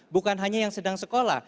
bukan hanya yang sedang sekolah